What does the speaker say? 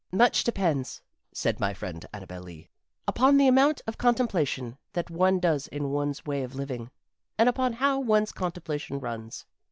"Much depends," said my friend Annabel Lee, "upon the amount of contemplation that one does in one's way of living, and upon how one's contemplation runs.